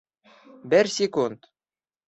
Бер секунд!